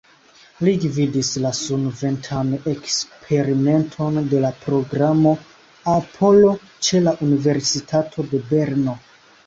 Li gvidis la sunventan eksperimenton de la programo Apollo ĉe la Universitato de Berno.